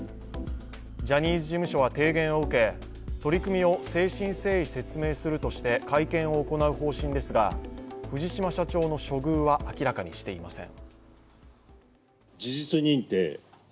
ジャニーズ事務所は提言を受け取り組みを誠心誠意説明するとして会見を行う方針ですが、藤島社長の処遇は明らかにしていません。